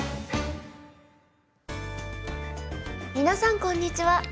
皆さんこんにちは。